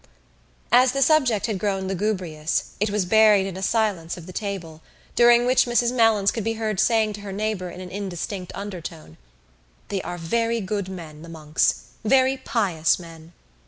As the subject had grown lugubrious it was buried in a silence of the table during which Mrs Malins could be heard saying to her neighbour in an indistinct undertone: "They are very good men, the monks, very pious men."